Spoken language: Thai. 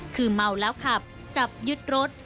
คือเมาแล้วขับจับยึดรถ